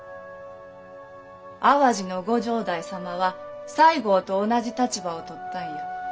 淡路の御城代様は西郷と同じ立場を取ったんや。